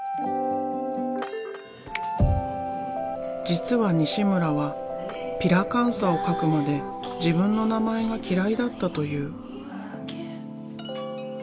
実は西村はピラカンサを描くまで自分の名前が嫌いだったという。